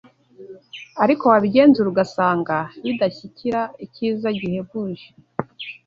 ariko wabigenzura ugasanga bidashyikira icyiza gihebuje